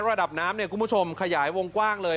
ระดับน้ำเนี่ยคุณผู้ชมขยายวงกว้างเลย